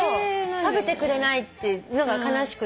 食べてくれないってのが悲しくて。